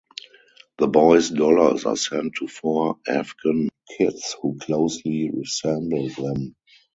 The boys' dollars are sent to four Afghan kids who closely resemble them.